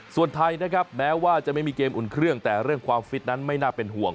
ส่วนไทยนะครับแม้ว่าจะไม่มีเกมอุ่นเครื่องแต่เรื่องความฟิตนั้นไม่น่าเป็นห่วง